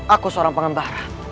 aku seorang pengembara